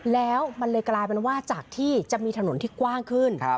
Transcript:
แล้วมันเลยกลายเป็นว่าจากที่จะมีถนนที่กว้างขึ้น